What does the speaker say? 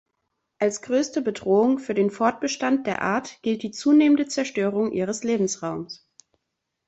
Als größte Bedrohung für den Fortbestand der Art gilt die zunehmende Zerstörung ihres Lebensraums.